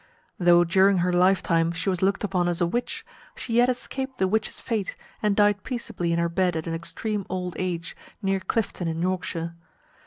Though during her lifetime she was looked upon as a witch, she yet escaped the witch's fate, and died peaceably in her bed at an extreme old age, near Clifton in Yorkshire.